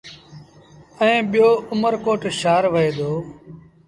ائيٚݩ ٻيٚو اُمر ڪوٽ شآهر وهي دو۔